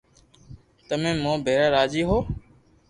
تمي مون ڀيرا راجي ھون